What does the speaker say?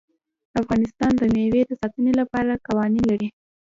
افغانستان د مېوې د ساتنې لپاره قوانین لري.